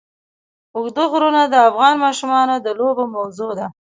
اوږده غرونه د افغان ماشومانو د لوبو موضوع ده.